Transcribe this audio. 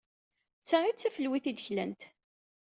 D ta ay d tafelwit ay d-klant.